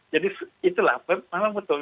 jadi itulah memang betul